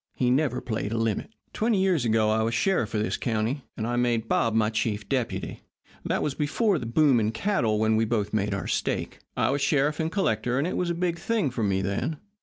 He never played a limit. "Twenty years ago I was sheriff of this county, and I made Bob my chief deputy. That was before the boom in cattle when we both made our stake. I was sheriff and collector, and it was a big thing for me then.